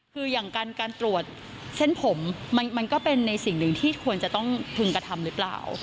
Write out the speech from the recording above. คืออย่างการตรวจเส้นผมมันก็เป็นในสิ่งหนึ่งที่ควรจะต้องพึงกระทำหรือเปล่า